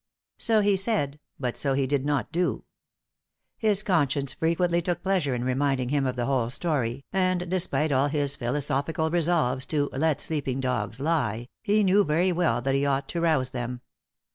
So he said, but so he did not do. His conscience frequently took pleasure in reminding him of the whole story, and despite all his philosophical resolves to "let sleeping dogs lie," he knew very well that he ought to rouse them.